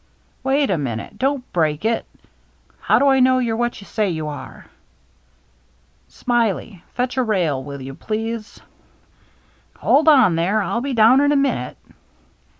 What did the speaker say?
"Wait a minute! Don't break it! How do I know you're what you say you are ?"" Smiley, fetch a rail, will you please ?"" Hold on there ! I'll be down in a minute."